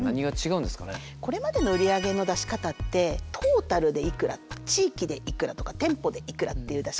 これまでの売り上げの出し方ってトータルでいくら地域でいくらとか店舗でいくらっていう出し方。